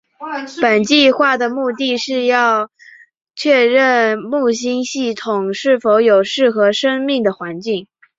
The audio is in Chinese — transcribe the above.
本计画的目的是要确认木星系统是否有适合生命的环境。